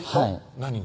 何が？